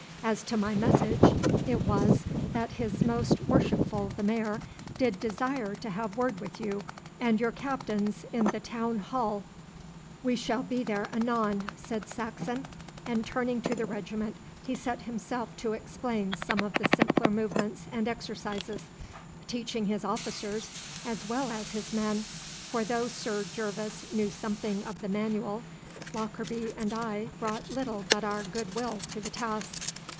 As to my message, it was that his most worshipful the Mayor did desire to have word with you and your captains in the town hall.' 'We shall be there anon,' said Saxon, and turning to the regiment he set himself to explain some of the simpler movements and exercises, teaching his officers as well as his men, for though Sir Gervas knew something of the manual, Lockarby and I brought little but our good will to the task.